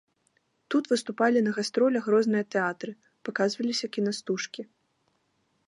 Тут выступалі на гастролях розныя тэатры, паказваліся кінастужкі.